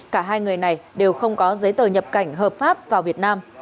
cả hai người này đều không có giấy tờ nhập cảnh hợp pháp vào việt nam